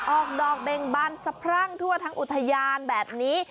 ออกดอกเบ่งบานสะพรั่งทั่วทั้งอุทยานแบบนี้